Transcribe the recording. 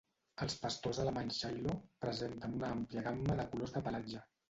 Els pastors alemanys shiloh presenten una àmplia gamma de colors de pelatge.